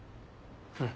うん。